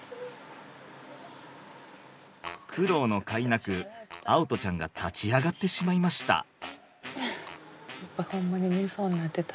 苦労のかいなく蒼人ちゃんが立ち上がってしまいました。